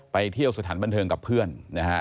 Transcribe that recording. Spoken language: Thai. ไปเที่ยวสถานบันเทิงกับเพื่อนนะฮะ